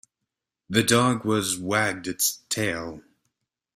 The dog was wagged its tail.